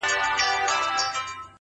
• غوايي هم وکړل پاچا ته سلامونه ,